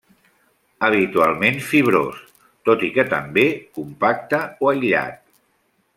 Habitualment fibrós, tot i que també compacte o aïllat.